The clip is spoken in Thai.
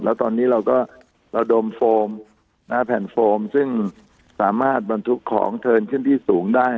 แล้วตอนนี้เราก็ระดมโฟมแผ่นโฟมซึ่งสามารถบรรทุกของเทินขึ้นที่สูงได้